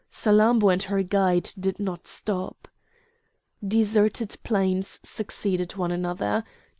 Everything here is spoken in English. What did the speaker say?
Salammbô and her guide did not stop. Deserted plains succeeded one another.